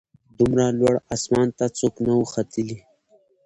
دومره لوړ اسمان ته څوک نه وه ختلي